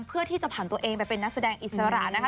เพื่อที่จะผ่านตัวเองไปเป็นนักแสดงอิสระนะคะ